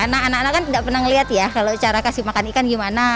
nah anak anak kan nggak pernah ngelihat ya kalau cara kasih makan ikan gimana